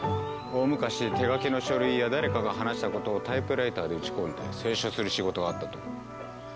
大昔手書きの書類や誰かが話したことをタイプライターで打ち込んで清書する仕事があったという。